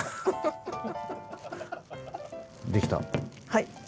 はい。